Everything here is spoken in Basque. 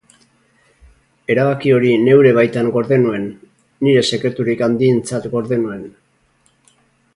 Erabaki hori neure baitan gorde nuen, nire sekreturik handientzat gorde nuen.